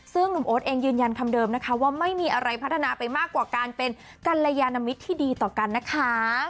ซึ่งหนุ่มโอ๊ตเองยืนยันคำเดิมนะคะว่าไม่มีอะไรพัฒนาไปมากกว่าการเป็นกัลยานมิตรที่ดีต่อกันนะคะ